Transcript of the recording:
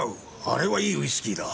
あれはいいウイスキーだ。